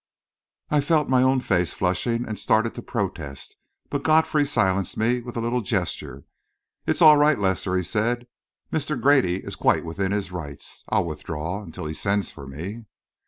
I felt my own face flushing, and started to protest, but Godfrey silenced me with a little gesture. "It's all right, Lester," he said. "Mr. Grady is quite within his rights. I'll withdraw until he sends for me."